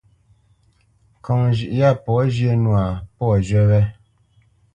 Ŋkɔŋ zhʉ̌ʼ yâ pɔ̌ zhyə̄ nwâ, pɔ̌ zhywí wé.